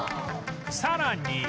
さらに